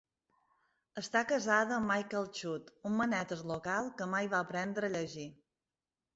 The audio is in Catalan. Està casada amb Michael Chute, un manetes local que mai va aprendre a llegir.